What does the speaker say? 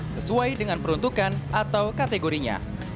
sesuai dengan peruntukan atau kategorinya